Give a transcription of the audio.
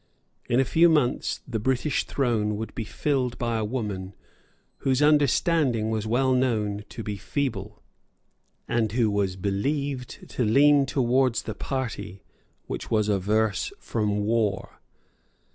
In a few months the British throne would be filled by a woman whose understanding was well known to be feeble, and who was believed to lean towards the party which was averse from war.